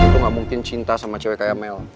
itu gak mungkin cinta sama cewek kayak mel